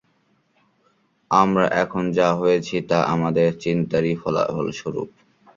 আমরা এখন যা হয়েছি, তা আমাদের চিন্তারই ফলস্বরূপ।